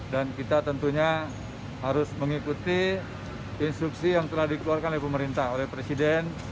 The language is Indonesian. dan kita tentunya harus mengikuti instruksi yang telah dikeluarkan oleh pemerintah oleh presiden